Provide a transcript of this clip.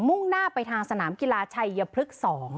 มุ่งหน้าไปทางสนามกีฬาชายยพลึก๒